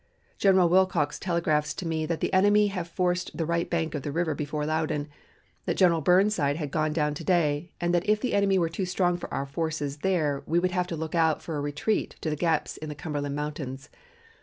General Wilcox telegraphs me that the enemy have forced the right bank of the river below Loudon, that General Burnside had gone down to day, and that if the enemy were too strong for our forces there we would have to look out for a retreat to the gaps in the Cumberland Mountains.